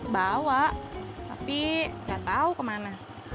bawa tapi gak tahu kemana